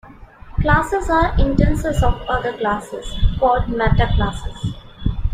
Classes are instances of other classes, called metaclasses.